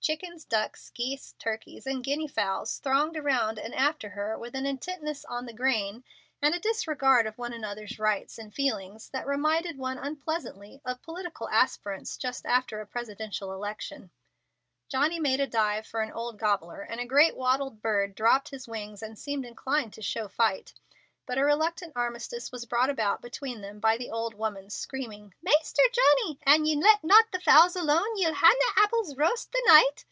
Chickens, ducks, geese, turkeys, and Guinea fowls thronged around and after her with an intentness on the grain and a disregard of one another's rights and feelings that reminded one unpleasantly of political aspirants just after a Presidential election. Johnny made a dive for an old gobbler, and the great red wattled bird dropped his wings and seemed inclined to show fight, but a reluctant armistice was brought about between them by the old woman screaming: "Maister Johnny, an' ye let not the fowls alone ye'll ha' na apples roast the night."